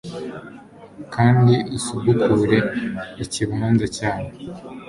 Kandi usubukure ikibanza cyawe